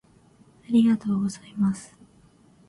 ありがとうございます